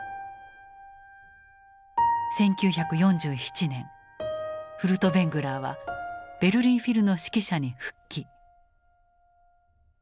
１９４７年フルトヴェングラーはベルリン・フィルの指揮者に復帰。